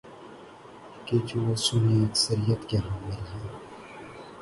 گے جو سنی اکثریت کے حامل ہیں؟